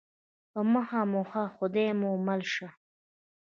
په مخه مو ښه خدای مو مل شه